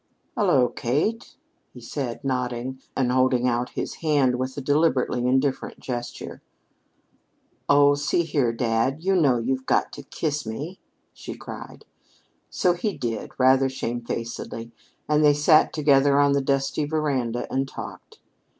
"Hullo, Kate," he said, nodding and holding out his hand with a deliberately indifferent gesture. "Oh, see here, dad, you know you've got to kiss me!" she cried. So he did, rather shamefacedly, and they sat together on the dusty veranda and talked.